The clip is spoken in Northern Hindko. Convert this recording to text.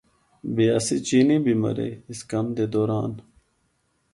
بیاسی چینی بھی مرّے اس کم دے دوران۔